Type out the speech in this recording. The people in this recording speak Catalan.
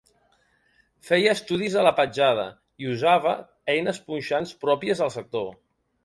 Feia estudis de la petjada i usava eines punxants pròpies del sector.